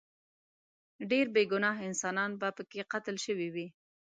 ډیر بې ګناه انسانان به پکې قتل شوي وي.